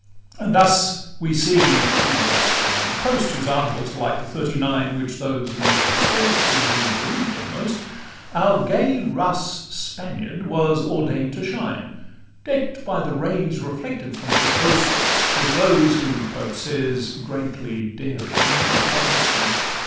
LIII And thus we see who doubts the Morning Post? (Whose articles are like the "Thirty nine," Which those most swear to who believe them most) Our gay Russ Spaniard was ordain'd to shine, Deck'd by the rays reflected from his host, With those who, Pope says, "greatly daring dine."